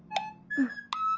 うん。